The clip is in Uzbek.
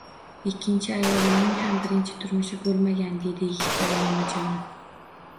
“Ikkinchi ayolimning ham birinchi turmushi bo‘lmagan”, — deydi Yigitali Mamajonov